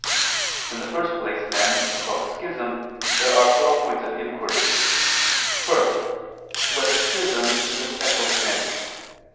In the first place, then, about schism, there are four points of inquiry: (1) Whether schism is a special sin?